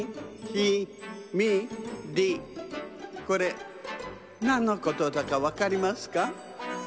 これなんのことだかわかりますか？